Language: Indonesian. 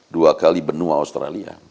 dua kali benua australia